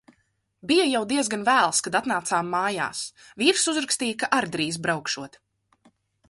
Bija jau diezgan vēls, kad atnācām "mājās", vīrs uzrakstīja, ka ar drīz braukšot.